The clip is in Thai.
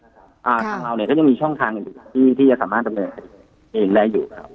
ทางเราเนี่ยก็ยังมีช่องทางอยู่ที่ที่จะสามารถดำเนินเองได้อยู่ครับ